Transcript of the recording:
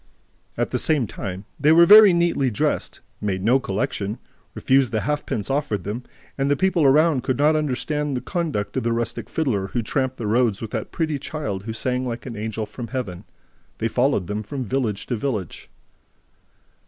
At the same time, they were very neatly dressed, made no collection, refused the halfpence offered them; and the people around could not understand the conduct of this rustic fiddler, who tramped the roads with that pretty child who sang like an angel from Heaven. They followed them from village to village.